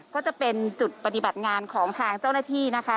ก็จะเป็นจุดปฏิบัติงานของทางเจ้าหน้าที่นะคะ